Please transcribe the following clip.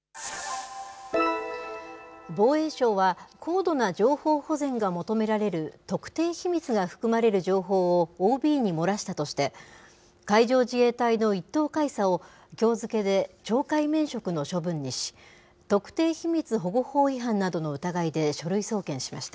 防衛省は、高度な情報保全が求められる特定秘密が含まれる情報を、ＯＢに漏らしたとして、海上自衛隊の１等海佐をきょう付けで懲戒免職の処分にし、特定秘密保護法違反などの疑いで書類送検しました。